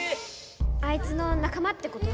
⁉あいつの仲間ってこと？